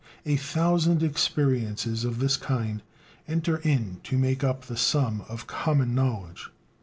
A thousand experiences of this kind enter in to make up the sum of common knowledge.